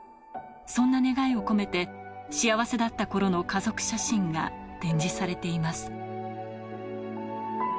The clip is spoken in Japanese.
そんな願いを込めて、幸せだったころの家族写真が展示されています。